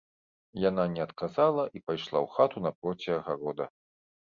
Яна не адказала і пайшла ў хату напроці агарода.